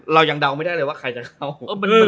เรายังเดาไม่ได้เลยว่าใครจะเข้า